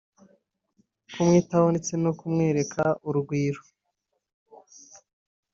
kumwitaho ndetse no kumwereka urukundo